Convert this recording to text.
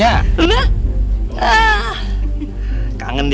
aku akan mati